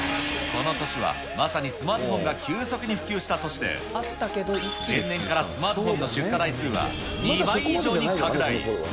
この年はまさにスマートフォンが急速に普及した年で、前年からスマートフォンの出荷台数は２倍以上に拡大。